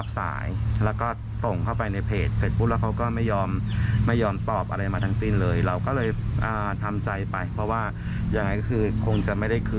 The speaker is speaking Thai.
ฟังท่านเล่าหน่อยค่ะ